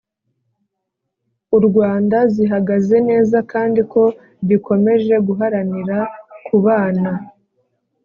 u Rwanda zihagaze neza kandi ko gikomeje guharanira kubana